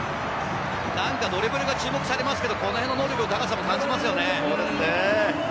ドリブルが注目されますけど、このへんの能力の高さも感じますよね。